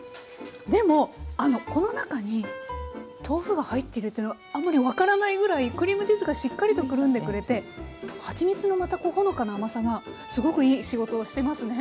でもあのこの中に豆腐が入ってるというのがあんまり分からないぐらいクリームチーズがしっかりとくるんでくれてはちみつのまたほのかな甘さがすごくいい仕事をしてますね。